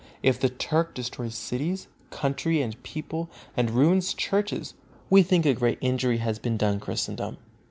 If the Turk destroys cities, country and people, and ruins churches, we think a great injury has been done Christendom.